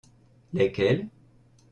Lesquels ?